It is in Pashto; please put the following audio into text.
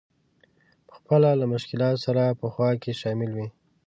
په خپله له مشکلاتو سره په خوا کې شامل وي.